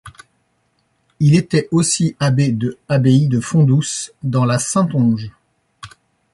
Il était aussi abbé de Abbaye de Fontdouce dans la Saintonge.